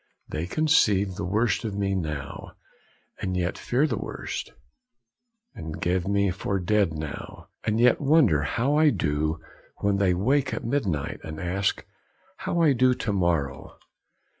They conceive the worst of me now, and yet fear worse; they give me for dead now, and yet wonder how I do when they wake at midnight, and ask how I do to morrow.